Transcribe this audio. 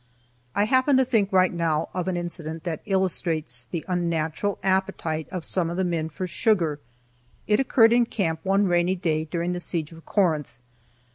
I happen to think, right now, of an incident that illustrates the unnatural appetite of some of the men for sugar. It occurred in camp one rainy day during the siege of Corinth.